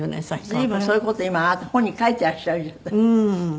随分そういう事今あなた本に書いてらっしゃるじゃない。